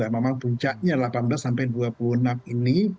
memang puncaknya delapan belas sampai dua puluh enam ini